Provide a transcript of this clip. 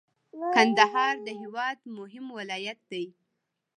کندهار د هیواد مهم ولایت دی.